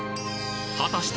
果たして